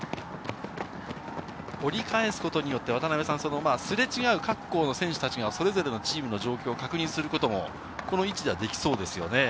折り返すことによって、すれ違う各校の選手たちがそれぞれのチームの状況を確認することも、この位置ではできそうですよね。